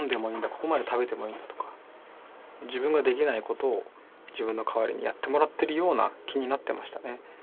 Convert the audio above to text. ここまで食べてもいいんだとか自分ができないことを自分の代わりにやってもらってるような気になってましたね。